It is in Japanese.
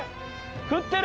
食ってる！